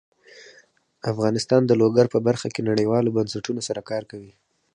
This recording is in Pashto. افغانستان د لوگر په برخه کې نړیوالو بنسټونو سره کار کوي.